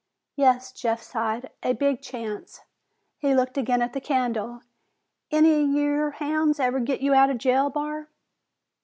"Yes," Jeff sighed, "a big chance." He looked again at the candle. "Any of your hounds ever get you out of jail, Barr?"